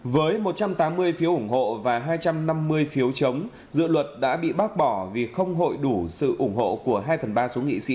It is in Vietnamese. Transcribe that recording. với một trăm tám mươi phiếu ủng hộ và hai trăm năm mươi phiếu chống dự luật đã bị bác bỏ vì không hội đủ sự ủng hộ của hai phần ba số nghị sĩ